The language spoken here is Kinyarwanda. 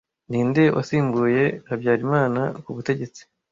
Ninde wasimbuye habyarimana ku butegetsi